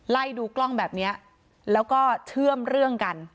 ไล่ดูกล้องแบบนี้แล้วก็เชื่อมเรื่องกัน